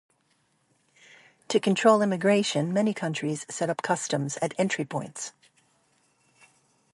To control immigration, many countries set up customs at entry points.